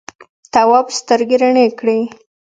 تواب سترګې رڼې کړې.